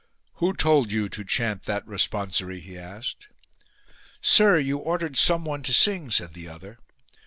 " Who told you to chant that responsory ?" he asked. Sire, you ordered someone to sing," said the other.